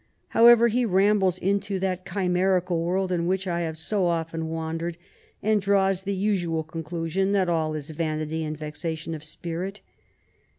However, he rambles into that chimerical world in which I have too often wandered, and draws the usual conclusion that all is yanity and yexation of spirit.